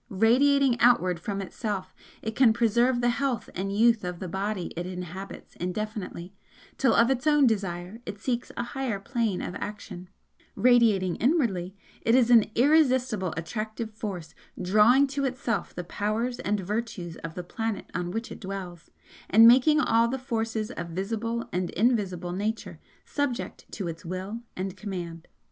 Radiating outward from itself, it can preserve the health and youth of the body it inhabits indefinitely, till of its own desire it seeks a higher plane of action, radiating inwardly, it is an irresistible attractive force drawing to itself the powers and virtues of the planet on which it dwells, and making all the forces of visible and invisible Nature subject to its will and command.